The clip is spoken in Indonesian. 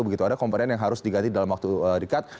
begitu ada komponen yang harus diganti dalam waktu dekat